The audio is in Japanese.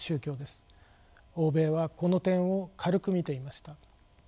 欧米はこの点を軽く見ていました。